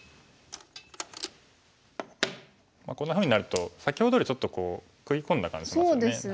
こんなふうになると先ほどよりちょっと食い込んだ感じしますよね。